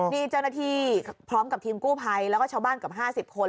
นี่เจ้าหน้าที่พร้อมกับทีมกู้ภัยแล้วก็ชาวบ้านเกือบ๕๐คน